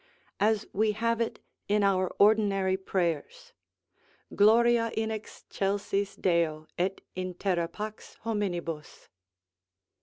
As we have it in our ordinary prayers: "Gloria in excelsis Deo, et in terra pax hominibus."